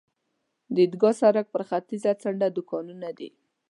د عیدګاه سړک پر ختیځه څنډه دوکانونه دي.